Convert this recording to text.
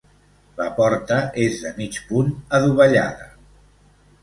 La porta és de mig punt, adovellada.